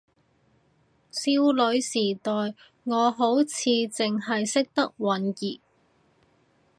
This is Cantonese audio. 少女時代我好似淨係認得允兒